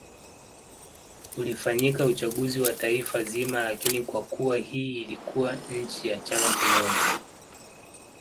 ulifanyika uchaguzi wa taifa zima lakini Kwa kuwa hii ilikuwa nchi ya chama kimoja